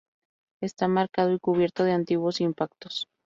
Está marcado y cubierto de antiguos impactos.